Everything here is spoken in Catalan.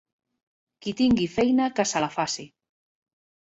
Qui tingui feina que se la faci.